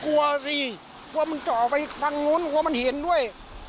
กลัวสิกลัวมึงจะออกไปทางนู้นกลัวมันเห็นด้วย